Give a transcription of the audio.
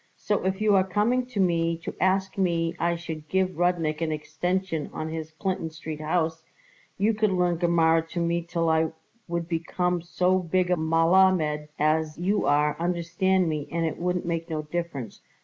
So if you are coming to me to ask me I should give Rudnik an extension on his Clinton Street house, you could learn Gemara to me till I would become so big a Melammed as you are, understand me, and it wouldn't make no difference.